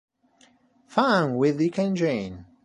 Fun with Dick and Jane